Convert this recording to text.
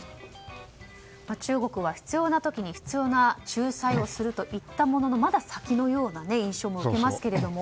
中国は必要な時に必要な仲裁をすると言ったもののまだ先のような印象も受けますけれども。